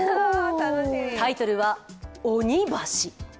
タイトルは「鬼橋」。